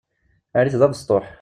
Err-it d abesṭuḥ.